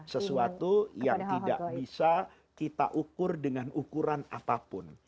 sesuatu yang tidak bisa kita ukur dengan ukuran apapun